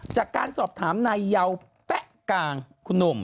จากการสอบถามนายเยาแป๊ะกลางคุณหนุ่ม